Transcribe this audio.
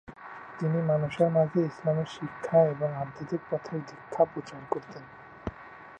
তিনি মানুষের মাঝে ইসলামের শিক্ষা এবং আধ্যাত্বিক পথের দীক্ষা প্রচার করতেন।